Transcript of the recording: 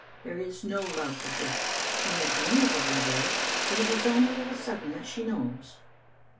There is no love but this. She may dream of what love is, but it is only of a sudden that she knows.